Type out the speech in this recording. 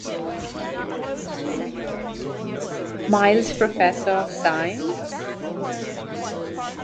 Miles Professor of Science.